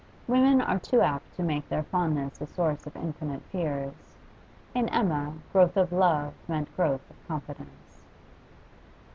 Women are too apt to make their fondness a source of infinite fears; in Emma growth of love meant growth of confidence.